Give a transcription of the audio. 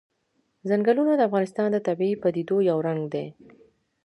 ځنګلونه د افغانستان د طبیعي پدیدو یو رنګ دی.